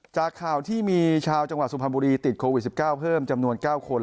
จากข่าวที่มีชาวจังหวัดสุพรรณบุรีติดโควิด๑๙เพิ่มจำนวน๙คน